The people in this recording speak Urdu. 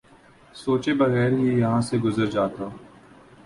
سوچے بغیر ہی یہاں سے گزر جاتا